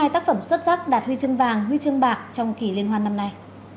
một trăm sáu mươi hai tác phẩm xuất sắc đạt huy chương vàng huy chương bạc trong kỷ liên hoan năm nay